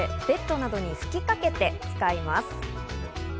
ベッドなどに吹きかけて使います。